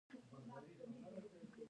افغانان په خپل تاریخ ویاړ کوي.